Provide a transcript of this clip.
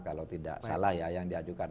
kalau tidak salah ya yang diajukan